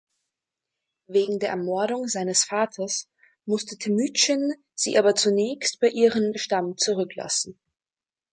Wegen der Ermordung seines Vaters musste Temüdschin sie aber zunächst bei ihrem Stamm zurücklassen.